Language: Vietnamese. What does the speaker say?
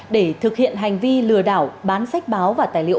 để thực hiện hành vi lừa đảo bán sách báo và tài liệu